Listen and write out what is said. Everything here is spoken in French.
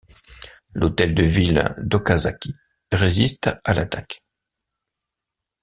L'hôtel de ville d'Okazaki résiste à l'attaque.